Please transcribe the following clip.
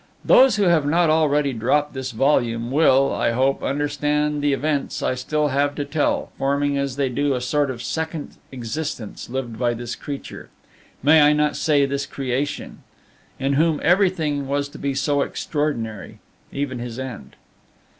Those who have not already dropped this volume, will, I hope, understand the events I still have to tell, forming as they do a sort of second existence lived by this creature may I not say this creation? in whom everything was to be so extraordinary, even his end.